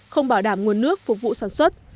không bảo đảm nguồn nước phục vụ sản xuất